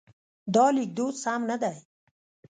دا لیکدود سم نه دی.